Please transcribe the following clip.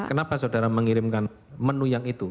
kenapa saudara mengirimkan menu yang itu